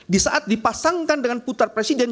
di saat dipasangkan dengan putar presiden